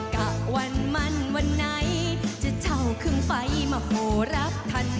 กะวันมันวันไหนจะเท่าข้างกัน